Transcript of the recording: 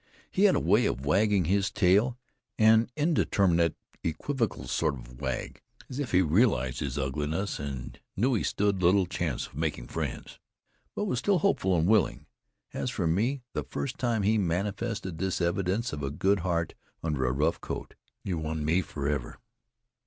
He had a way of wagging his tail an indeterminate, equivocal sort of wag, as if he realized his ugliness and knew he stood little chance of making friends, but was still hopeful and willing. As for me, the first time he manifested this evidence of a good heart under a rough coat, he won me forever.